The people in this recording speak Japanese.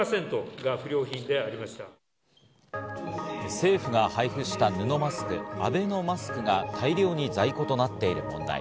政府が配布した布マスク、アベノマスクが大量に在庫となっている問題。